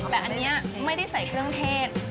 แต่อันนี้ไม่ได้ใส่เครื่องเทศ